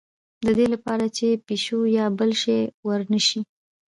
د دې لپاره چې پیشو یا بل شی ور نه شي.